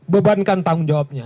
bebankan tanggung jawabnya